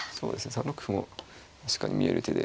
３六歩も確かに見える手で。